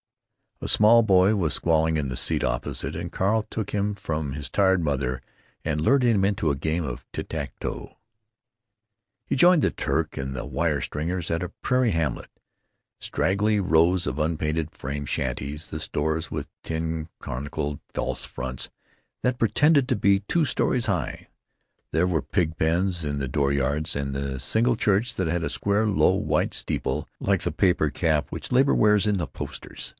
A small boy was squalling in the seat opposite, and Carl took him from his tired mother and lured him into a game of tit tat toe. He joined the Turk and the wire stringers at a prairie hamlet—straggly rows of unpainted frame shanties, the stores with tin corniced false fronts that pretended to be two stories high. There were pig pens in the dooryards, and the single church had a square, low, white steeple like the paper cap which Labor wears in the posters.